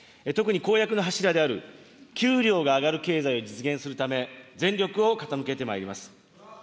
特に公約の柱である、給料が上がる経済を実現するため、全力を傾けてまいります。